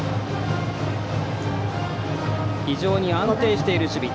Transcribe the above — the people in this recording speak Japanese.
非常に安定している守備。